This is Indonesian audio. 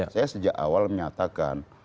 saya sejak awal menyatakan